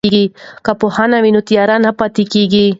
که پوهنه وي نو تیاره نه پاتیږي.